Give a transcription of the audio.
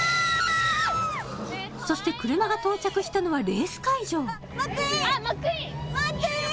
そして車が到着したのはレース会場マックィーン！